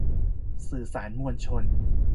สื่อสารมวลชน